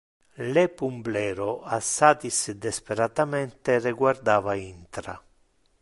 Le plumbero assatis desperatemente reguardava intra.